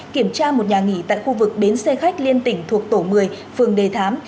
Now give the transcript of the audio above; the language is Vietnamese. kiểm tra một nhà nghỉ tại khu vực bến xe khách liên tỉnh thuộc tổ một mươi phường đề thám